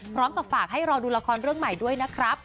พร้อมกับฝากให้รอดูละครเรื่องใหม่ด้วยนะครับ